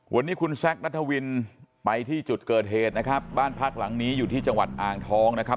วันนี้คุณแซคนัทวินไปที่จุดเกิดเหตุนะครับบ้านพักหลังนี้อยู่ที่จังหวัดอ่างทองนะครับ